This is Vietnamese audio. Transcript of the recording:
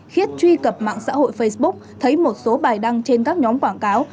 khiết truy cập mạng xã hội facebook thấy một số bài đăng trên các nhóm quảng cáo